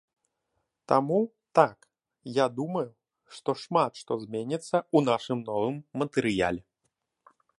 Таму, так, я думаю, што шмат што зменіцца ў нашым новым матэрыяле.